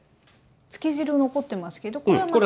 つけ汁残ってますけどこれはまた。